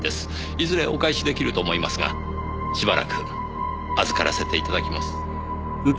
いずれお返し出来ると思いますがしばらく預からせて頂きます。